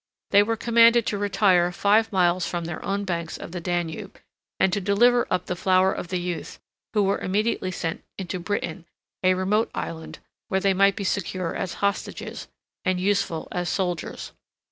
They were commanded to retire five miles 84 from their own banks of the Danube, and to deliver up the flower of the youth, who were immediately sent into Britain, a remote island, where they might be secure as hostages, and useful as soldiers.